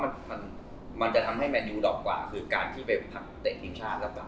มันก็จะทำให้แมดอยู่ดอกกว่าหรือการที่เวบเด็กหรือป้า